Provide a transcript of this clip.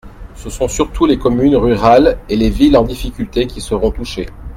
Ce sont surtout les communes rurales et les villes en difficulté qui seront touchées.